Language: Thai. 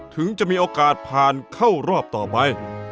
ถึงจะมีโอกาสผ่านเข้ารอบต่อไป